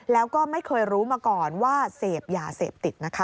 แล้วก็ไม่เคยรู้มาก่อนว่าเสพยาเสพติดนะคะ